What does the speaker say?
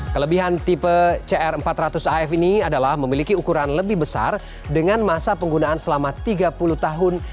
kelebihan tipe cr empat ratus af ini adalah memiliki ukuran lebih besar dengan masa penggunaan selama tiga puluh tahun